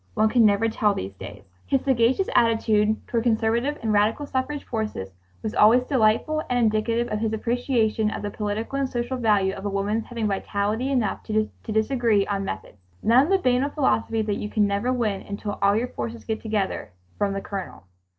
One can never tell these days." His sagacious attitude toward conservative and radical suffrage forces was always delightful and indicative of his appreciation of the political and social value of a movement's having vitality enough to disagree on methods. None of the banal philosophy that "you can never win until all your forces get together" from the Colonel.